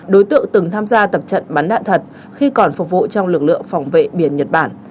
đối tượng từng tham gia tập trận bắn đạn thật khi còn phục vụ trong lực lượng phòng vệ biển nhật bản